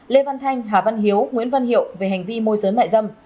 lê văn thanh hà văn hiếu nguyễn văn hiệu về hành vi môi giới mại dâm